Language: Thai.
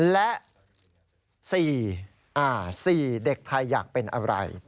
และ๔เด็กไทยอยากเป็นอะไร